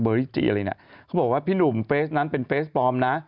ริจิอะไรเนี่ยเขาบอกว่าพี่หนุ่มเฟสนั้นเป็นเฟสปลอมนะ